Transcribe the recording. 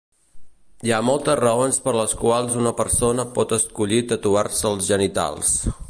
Hi ha moltes raons per les quals una persona pot escollir tatuar-se els genitals.